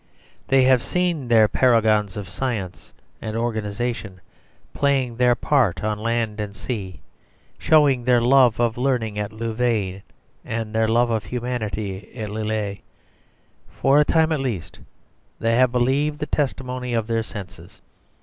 They have seen their paragons of science and organisation playing their part on land and sea; showing their love of learning at Louvain and their love of humanity at Lille. For a time at least they have believed the testimony of their senses.